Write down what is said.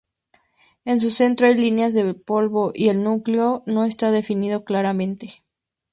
En su centro hay líneas de polvo y el núcleo no está definido claramente.